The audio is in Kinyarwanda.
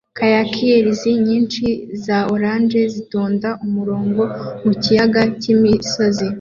Kayakiers nyinshi za orange zitonda umurongo mukiyaga cyimisozi